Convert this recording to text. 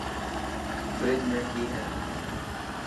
فريج ۾ ڪئي هي.